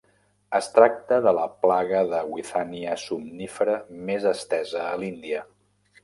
Es tracta de la plaga de "Withania somnifera" més estesa a l'Índia.